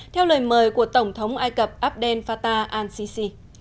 theo lời mời của tổng thống ai cập abdel fatah al sisi